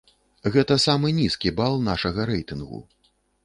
Гэта самы нізкі бал нашага рэйтынгу.